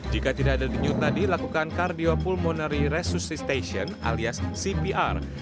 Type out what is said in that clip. jika tidak ada denyut nadi lakukan cardiopulmonary resuscitation alias cpr